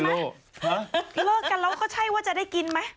เลิกกันแล้วก็ใช่ว่าจะได้กินไหม